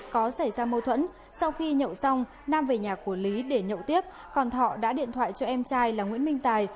có xảy ra mâu thuẫn sau khi nhậu xong nam về nhà của lý để nhậu tiếp còn thọ đã điện thoại cho em trai là nguyễn minh tài